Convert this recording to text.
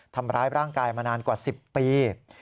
ทำร้ายร่างกายมานานกว่า๑๐ปี